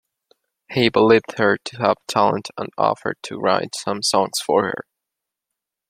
Hay believed her to have talent and offered to write some songs for her.